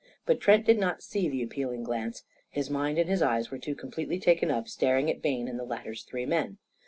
But Trent did not see the appealing glance. His mind and eyes were too completely taken up in staring at Bayne and the latter's three men.